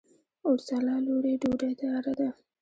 اورځلا لورې! ډوډۍ تیاره ده؟